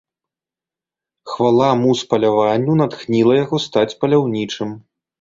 Хвала муз паляванню натхніла яго стаць паляўнічым.